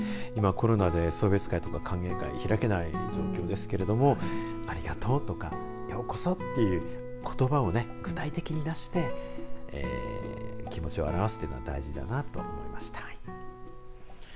今、コロナで歓迎会や送別会を開けない状況ですけどありがとうとかようこそとかっていうことばを具体的に出して気持ちを表すというのは大事だなと思いました。